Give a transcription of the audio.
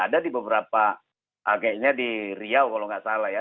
ada di beberapa kayaknya di riau kalau nggak salah ya